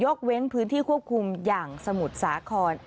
เว้นพื้นที่ควบคุมอย่างสมุทรสาคร